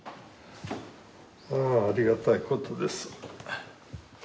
ああありがたいことです。